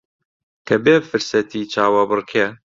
کە بێ فرسەتی چاوەبڕکێ